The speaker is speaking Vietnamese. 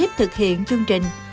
ekip thực hiện chương trình